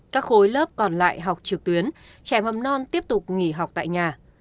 các khối lớp còn lại học trực tuyến trẻ mầm non tiếp tục nghỉ học tại nhà